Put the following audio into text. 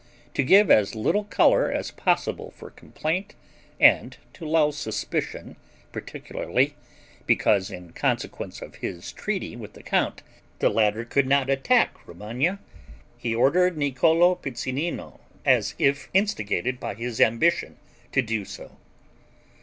To give as little color as possible for complaint, and to lull suspicion, particularly, because in consequence of his treaty with the count, the latter could not attack Romagna, he ordered Niccolo Piccinino, as if instigated by his own ambition to do so.